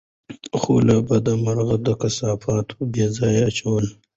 خو له بده مرغه، د کثافاتو بېځايه اچول